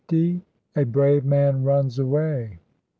A BRAVE MAN RUNS AWAY.